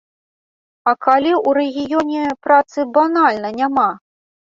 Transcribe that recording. А калі ў рэгіёне працы банальна няма?